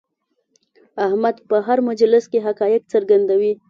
احمد په هر مجلس کې حقایق څرګندوي.